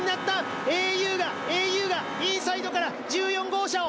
ａｕがインサイドから１４号車を。